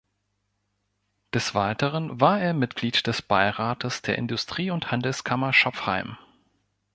Des Weiteren war er Mitglied des Beirates der Industrie- und Handelskammer Schopfheim.